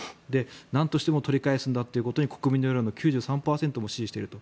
なんとしても取り返すんだということに国民の世論の９３％が支持していると。